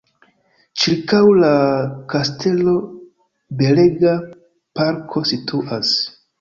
Ĉirkaŭ la kastelo belega parko situas.